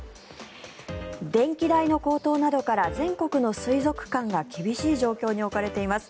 電気代の高騰などから全国の水族館が厳しい状況に置かれています。